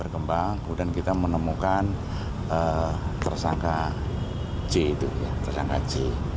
kemudian kita menemukan tersangka j itu tersangka j